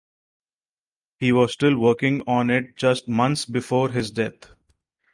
He was still working on it just months before his death.